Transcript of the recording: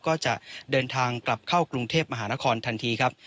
ก็จะเดินทางกลับเข้ากรุงเทพมหานครทันทีครับ